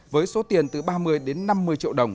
với số tiền từ ba mươi đến năm mươi triệu đồng